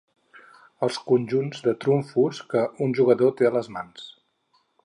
Els conjunts de trumfos que un jugador té a les mans.